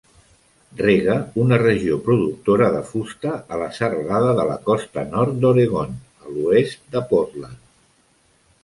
Rega una regió productora de fusta a la serralada de la costa nord d'Oregon, a l'oest de Portland.